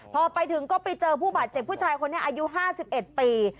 พอไปถึงก็ไปเจอผู้บาดเจ็บผู้ชายคนนี้อายุ๕๑ปี